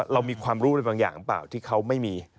เรามีความรู้อะไรบางอย่างหรือเปล่าที่เขาไม่มี